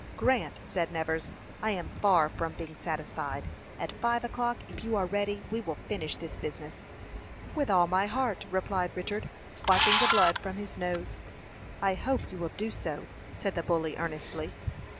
"Grant," said Nevers, "I am far from being satisfied. At five o'clock, if you are ready, we will finish this business." "With all my heart," replied Richard, wiping the blood from his nose. "I hope you will do so," said the bully, earnestly.